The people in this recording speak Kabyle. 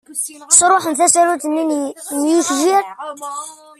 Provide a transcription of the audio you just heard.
Sṛuḥen tasarut-nni n yikejjir.